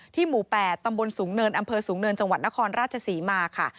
หมู่๘ตำบลสูงเนินอำเภอสูงเนินจังหวัดนครราชศรีมาค่ะ